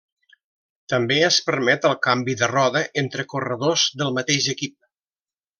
També es permet el canvi de roda entre corredors del mateix equip.